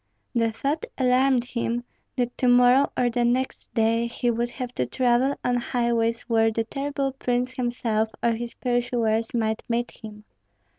The thought alarmed him, that to morrow or the next day he would have to travel on highways where the terrible prince himself or his pursuers might meet him.